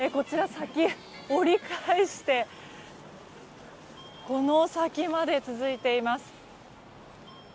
折り返してこの先まで続いています。